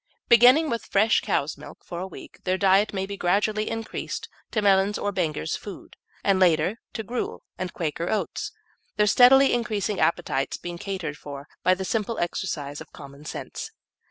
Beginning with fresh cow's milk for a week, their diet may be gradually increased to Mellin's or Benger's food, and later to gruel and Quaker Oats, their steadily increasing appetites being catered for by the simple exercise of commonsense.